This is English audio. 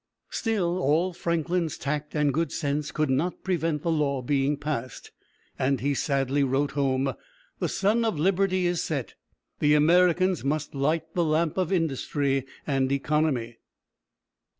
Still, all Franklin's tact and good sense could not prevent the law being passed, and he sadly wrote home: "The sun of liberty is set; the Americans must light the lamp of industry and economy."